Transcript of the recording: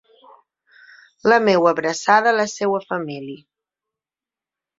La meua abraçada a la seua família.